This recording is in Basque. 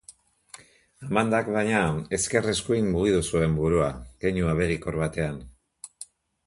Amandak, baina, ezker-eskuin mugitu zuen burua, keinu abegikor batean.